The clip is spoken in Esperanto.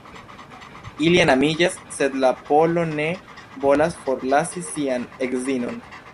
Ili enamiĝas, sed la polo ne volas forlasi sian edzinon.